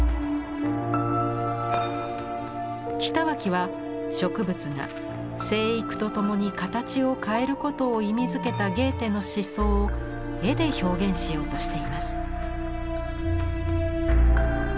北脇は植物が生育とともに形を変えることを意味づけたゲーテの思想を絵で表現しようとしています。